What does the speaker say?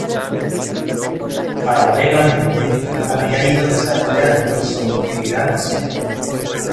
Paralelamente, había ido desarrollando su actividad docente.